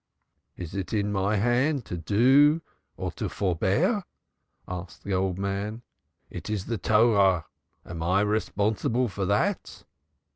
"Is it in my hand to do or to forbear?" asked the old man, "It is the Torah. Am I responsible for that?"